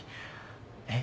えっ？